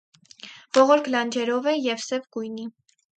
Ողորկ լանջերով է և սև գույնի։